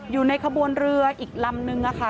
อยู่ในขบวนเรืออีกลำนึงค่ะ